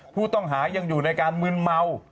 ผู้ต้องหายังอยู่ในการมืนเมา